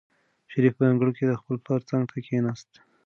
شریف په انګړ کې د خپل پلار څنګ ته کېناست.